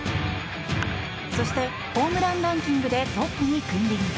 そして、ホームランランキングでトップに君臨。